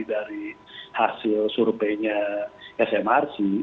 dari hasil surveinya smrc